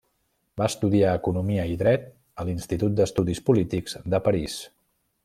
Va estudiar economia i dret a l'Institut d'estudis polítics de París.